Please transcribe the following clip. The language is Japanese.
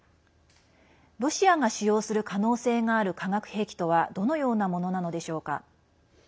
ロシアが使用する可能性がある化学兵器とはどのようなものなのでしょうか。